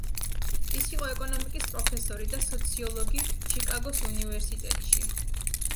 ის იყო ეკონომიკის პროფესორი და სოციოლოგი ჩიკაგოს უნივერსიტეტში.